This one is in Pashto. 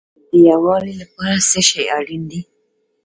د یووالي لپاره څه شی اړین دی؟